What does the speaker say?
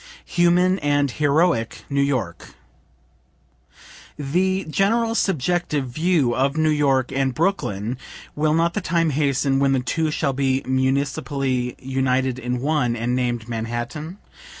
HUMAN AND HEROIC NEW YORK The general subjective view of New York and Brooklyn (will not the time hasten when the two shall be municipally united in one, and named Manhattan?)